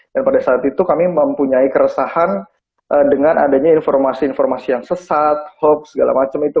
dan pada saat itu kami mempunyai keresahan dengan adanya informasi informasi yang sesat hoax segala macem itu